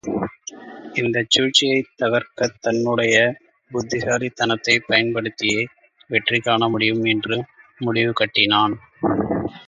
இந்தச் சூழ்ச்சியைத் தகர்க்கத் தன்னுடைய புத்திசாலித் தனத்தைப் பயன்படுத்தியே வெற்றி காண முடியும் என்று முடிவு கட்டினான்.